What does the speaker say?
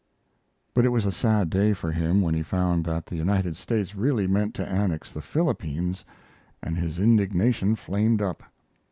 But it was a sad day for him when he found that the United States really meant to annex the Philippines, and his indignation flamed up.